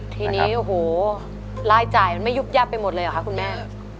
ทีนี้โอ้โหรายจ่ายมันไม่ยุบยับไปหมดเลยเหรอคะคุณแม่